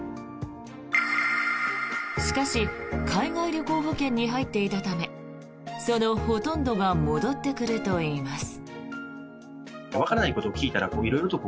しかし海外旅行保険に入っていたためそのほとんどが戻ってくるといいます。